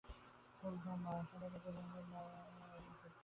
মুগ্ধা মা, সাঁতার কাটতে জানলেও বা এখন কী করবে?